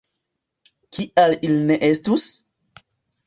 Kial ili ne estus?